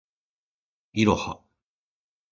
いろは